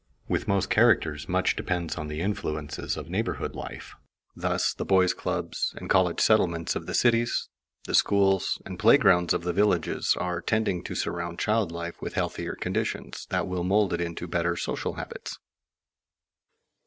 With most characters much depends on the influences of neighborhood life; thus the boy's clubs and college settlements of the cities, the schools and playgrounds of the villages, are tending to surround child life with healthier conditions, that will mould it into better social habits.